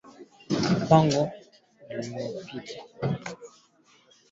Mitenda sasa kumu fungisha ku serkali